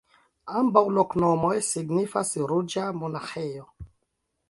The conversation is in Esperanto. Ambaŭ loknomoj signifas: ruĝa monaĥejo.